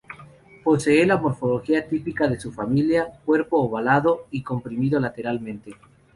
Posee la morfología típica de su familia, cuerpo ovalado y comprimido lateralmente.